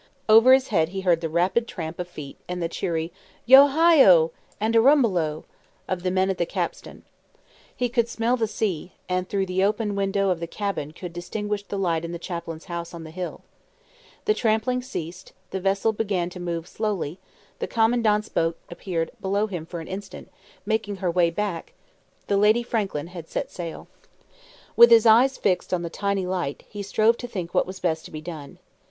Over his head he heard the rapid tramp of feet and the cheery, Yo hi oh! and a rumbelow! of the men at the capstan. He could smell the sea, and through the open window of the cabin could distinguish the light in the chaplain's house on the hill. The trampling ceased, the vessel began to move slowly the Commandant's boat appeared below him for an instant, making her way back the Lady Franklin had set sail. With his eyes fixed on the tiny light, he strove to think what was best to be done.